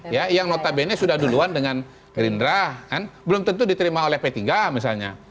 ya yang notabene sudah duluan dengan gerindra kan belum tentu diterima oleh p tiga misalnya